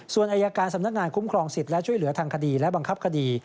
ส่วนอายการสำนักงานคุ้มครองสิทธิ์และช่วยเหลือทางคดีและบังคับคดี